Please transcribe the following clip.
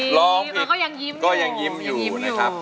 ร้องผิดก็ยังยิ้มอยู่นะครับ